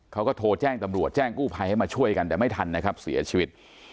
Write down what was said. เขาก็โทรแจ้งตำรวจแจ้งกู้ภัยให้มาช่วยกันแต่ไม่ทันนะครับเสียชีวิต